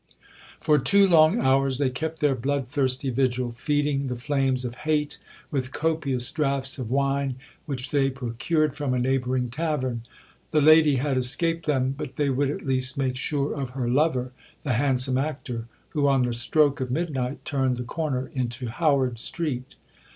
For two long hours they kept their bloodthirsty vigil, feeding the flames of hate with copious draughts of wine, which they procured from a neighbouring tavern. The lady had escaped them, but they would at least make sure of her lover, the handsome actor, who on the stroke of midnight turned the corner into Howard Street.